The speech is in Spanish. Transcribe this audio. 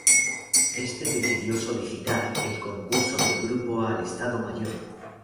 Este decidió solicitar el concurso del grupo al Estado Mayor.